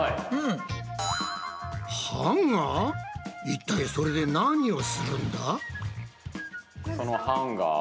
いったいそれで何をするんだ？